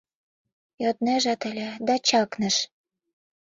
Йоднежат ыле, да чакныш.